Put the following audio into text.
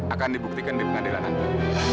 akan dibuktikan di pengadilan nanti